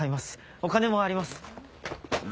お金もあります。